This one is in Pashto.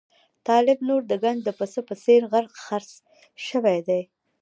طالب نور د ګنج د پسه په څېر خرڅ شوی دی.